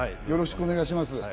よろしくお願いします。